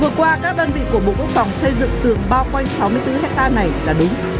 vừa qua các đơn vị của bộ quốc phòng xây dựng xường bao quanh sáu mươi bốn ha này đã đúng